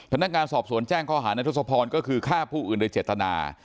พนักงานสอบสวนแจ้งข้อหาในทศพรก็คือฆ่าผู้อื่นโดยเจตนา